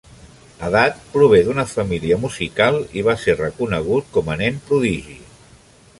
Hadad prové d'una família musical i va ser reconegut com a nen prodigi.